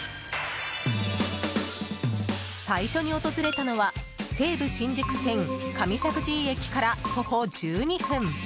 最初に訪れたのは西武新宿線上石神井駅から徒歩１２分